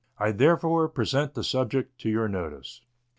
I therefore present the subject to your notice.